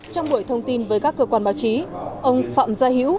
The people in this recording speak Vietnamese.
trong buổi thông tin với các cơ quan báo chí